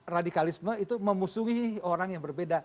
radikalisme itu memusuhi orang yang berbeda